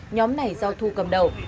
nhóm này do thu cầm đầu